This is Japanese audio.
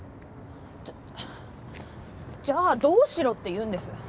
じゃじゃあどうしろっていうんです？